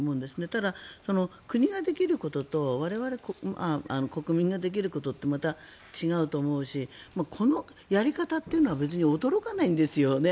ただ、国ができることと我々国民ができることってまた違うと思うしこのやり方というのは別に驚かないんですよね。